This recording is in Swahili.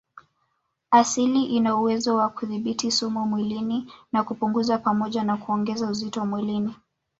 Asali ina uwezo wa kudhibiti sumu mwilini na kupunguza pamoja na kuongeza uzito mwilini